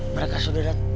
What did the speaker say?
mereka sudah datang